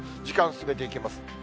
時間進めていきます。